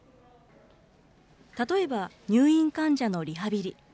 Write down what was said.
例えば、入院患者のリハビリ。